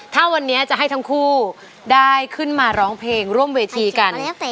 ถ้าวันนี้จะให้ทั้งคู่ได้ขึ้นมาร้องเพลงร่วมเวทีกัน